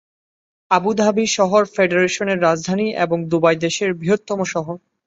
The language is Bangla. আবু ধাবি শহর ফেডারেশনের রাজধানী এবং দুবাই দেশের বৃহত্তম শহর।